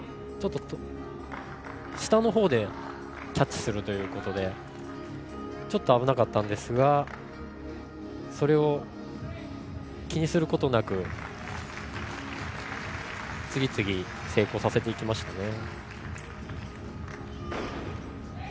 下のほうでキャッチするということでちょっと危なかったんですがそれを気にすることなく次々、成功させていきましたね。